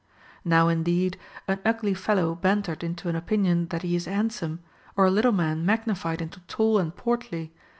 f Now indeed an ugly fellow bantered into an opinion that he is handsome, or a little man magnified into tall and portly, * Thucyd.